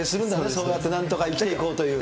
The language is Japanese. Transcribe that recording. そうやってなんとか生きていこうとね。